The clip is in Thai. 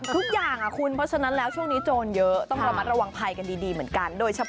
ทุกอย่างคุณเพราะฉะนั้นแล้วช่วงนี้โจรเยอะต้องระมัดระวังภัยกันดีเหมือนกันโดยเฉพาะ